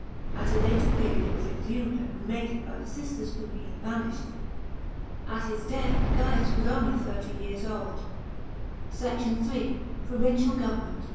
At a later period it was exhumed and cremated by the sisters whom he had banished. At his death Gaius was only thirty years old. SECT. III. — PROVINCIAL GOVERNMENT.